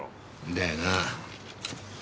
だよな。